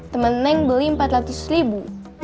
temen neng beli empat ratus ribu